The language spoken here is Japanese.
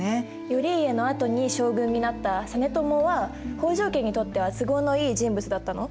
頼家のあとに将軍になった実朝は北条家にとっては都合のいい人物だったの？